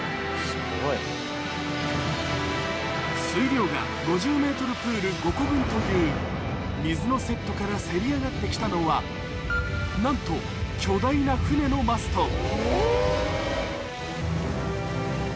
水量が ５０ｍ プール５個分という水のセットからせり上がって来たのはなんと巨大な船のマスト